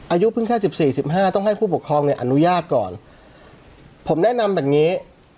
อายุเพิ่งแค่สิบสี่สิบห้าต้องให้ผู้ปกครองเนี่ยอนุญาตก่อนผมแนะนำแบบนี้